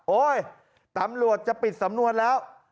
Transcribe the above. ตำรวจจะปิดสำนวนแล้ว